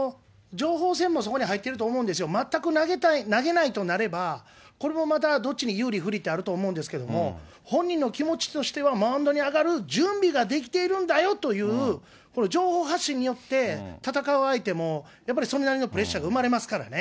情報戦もそこに入ってると思うんですよ、全く投げないとなれば、これもまた、どっちに有利、不利ってあると思うんですけど、本人の気持ちとしてはマウンドに上がる準備ができているんだよという、これ、情報発信によって、戦う相手も、やっぱりそれなりのプレッシャーが生まれますからね。